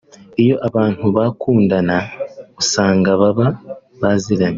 Iyo abantu bakundana usanga baba baziranye